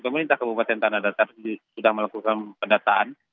pemerintah kabupaten tanah datar sudah melakukan pendataan